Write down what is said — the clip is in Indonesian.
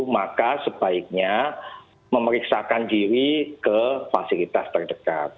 maka sebaiknya memeriksakan diri ke fasilitas terdekat